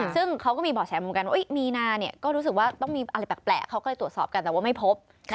ซึ่งเขาก็มีบ่อแสวงมุมการว่ามีนาก็ต้องมีอะไรแปลกเขาก็ตรวจสอบกันแต่ว่าไม่พบ